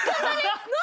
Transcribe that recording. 何？